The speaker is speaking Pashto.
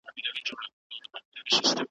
ورزش بدن پیاوړی کوي.